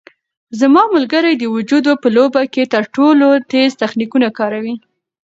زما ملګری د جودو په لوبه کې تر ټولو تېز تخنیکونه کاروي.